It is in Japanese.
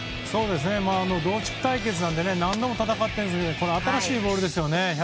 同地区対決なので何度も戦っているんですがこの新しいボールですよね。